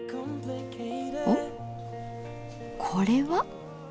おっこれは。